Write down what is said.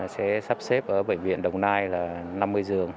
sẽ sắp xếp ở bệnh viện đồng nai là năm mươi giường